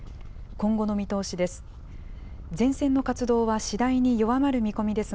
今後の見通しです。